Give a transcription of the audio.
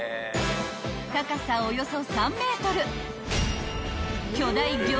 ［高さおよそ３ｍ］